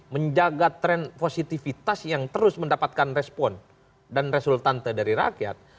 menjaga tren positifitas yang terus mendapatkan respon dan resultante dari rakyat